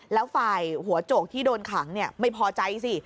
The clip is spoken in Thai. แล้วฝ่ายหัวโจกที่โดนขังไม่พอใจสิ